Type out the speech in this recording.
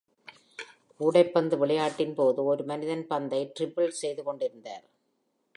கூடைப்பந்து விளையாட்டின் போது ஒரு மனிதன் பந்தை dribble செய்து கொண்டிருந்தார்.